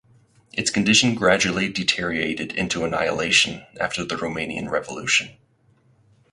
Its condition gradually deteriorated into annihilation after the Romanian Revolution.